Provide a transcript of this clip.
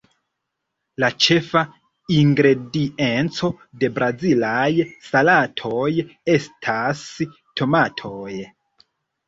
La ĉefa ingredienco de brazilaj salatoj estas tomatoj.